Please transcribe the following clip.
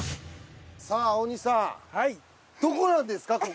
さあ大西さんどこなんですか？